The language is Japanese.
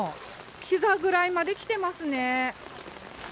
ひざぐらいまで来てますね。